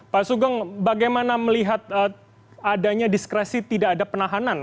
pak sugeng bagaimana melihat adanya diskresi tidak ada penahanan